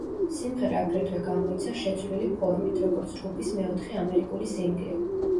სიმღერა აგრეთვე გამოიცა შეცვლილი ფორმით, როგორც ჯგუფის მეოთხე ამერიკული სინგლი.